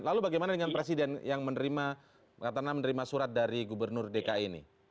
lalu bagaimana dengan presiden yang menerima katakanlah menerima surat dari gubernur dki ini